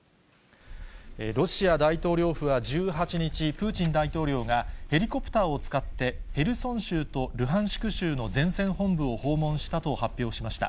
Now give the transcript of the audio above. ロシア大統領府は１８日、プーチン大統領が、ヘリコプターを使ってヘルソン州とルハンシク州の前線本部を訪問したと発表しました。